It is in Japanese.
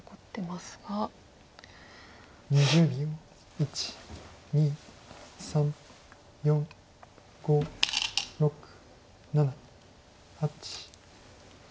１２３４５６７８。